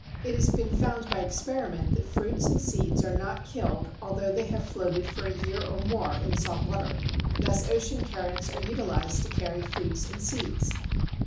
It has been found by experiment that fruits and seeds are not killed although they have floated for a year or more in salt water. Thus ocean currents are utilized to carry fruits and seeds.